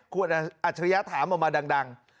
คุณอัจฉริยะถามออกมาดัง